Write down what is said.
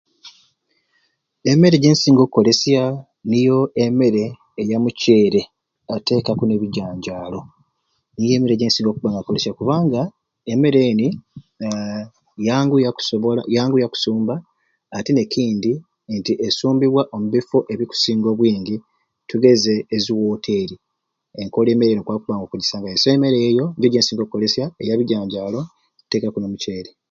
Emmere gyensinga okkolesya niyo emmere eya muceere noteekaku n'ebijanjaalo niyo emmere gyensinga okubba nga nkolesya kubanga emmere eni yangu yakusobobola yange yakusumba ate n'ekindi nti asumbibwa omubibwa omubifo ebikusinga obwingi tugeze ezi woteeri enko emmere eni okwaba kugisangayo so emmere eyo nigyo gyensinga okukolesya eya bijanjaalo teeksku n'omuceere.